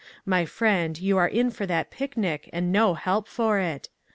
My friend, you are in for that picnic, and no help for it.